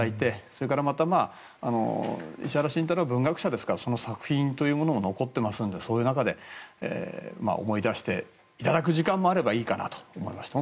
それから石原慎太郎は文学者ですからその作品というものも残っていますのでそういう中で思い出していただく時間もあればいいかなと思いました。